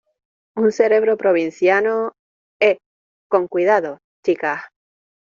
un cerebro provinciano... eh, con cuidado , chicas .